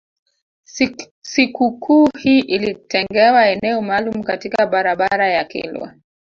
Sikukuu hii ilitengewa eneo maalum katika barabara ya kilwa